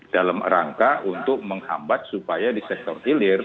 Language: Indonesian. dalam rangka untuk menghambat supaya di sektor hilir